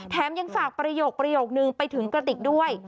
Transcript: แถมยังฝากประโยคนึงไปถึงกระติกด้วย